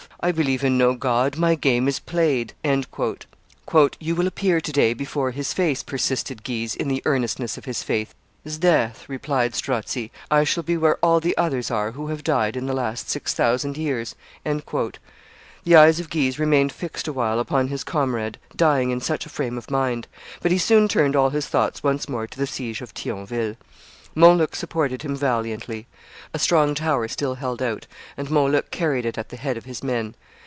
I believe in no God; my game is played." "You will appear to day before His face," persisted Guise, in the earnestness of his faith. "'Sdeath," replied Strozzi, "I shall be where all the others are who have died in the last six thousand years." The eyes of Guise remained fixed a while upon his comrade dying in such a frame of mind; but he soon turned all his thoughts once more to the siege of Thionville. Montluc supported him valiantly. A strong tower still held out, and Montluc carried it at the head of his men.